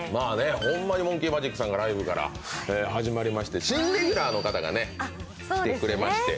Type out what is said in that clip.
ホンマにＭＯＮＫＥＹＭＡＪＩＫさんのライブから始まりまして新レギュラーの方が来てくれまして。